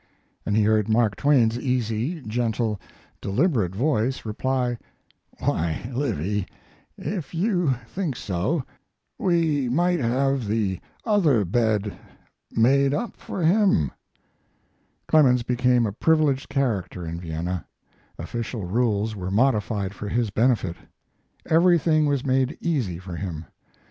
And he heard Mark Twain's easy, gentle, deliberate voice reply: "Why, Livy, if you think so, we might have the other bed made up for him." Clemens became a privileged character in Vienna. Official rules were modified for his benefit. Everything was made easy for him.